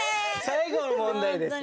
最後の問題です。